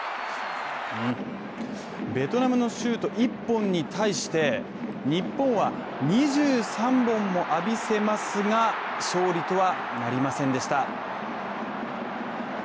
ベトナムのシュート１本に対して日本は２３本も浴びせますが、勝利とはなりませんでした。